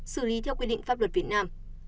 xử lý theo quy định pháp luật việt nam